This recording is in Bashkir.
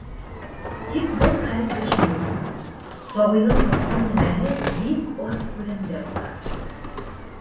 Тик был хәл йыш булмай, сабыйҙың ҡоҫҡан нәмәһе бик аҙ күләмдә була.